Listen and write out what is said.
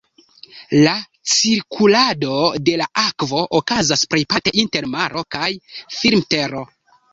La cirkulado de la akvo okazas plejparte inter maro kaj firmtero.